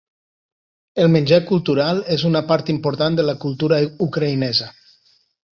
El menjar cultural és una part important de la cultura ucraïnesa.